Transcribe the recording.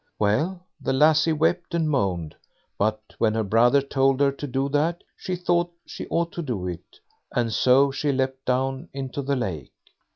Well, the lassie wept and moaned; but when her brother told her to do that, she thought she ought to do it, and so she leapt down into the lake.